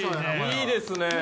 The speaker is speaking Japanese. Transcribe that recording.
いいですね。